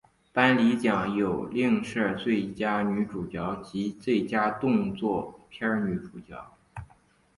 颁奖礼有另设最佳女主角及最佳动作片女主角。